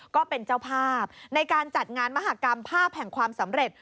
ก็เป็นเจ้าภาพในการจัดงานมหากรรมภาพแห่งความสำเร็จ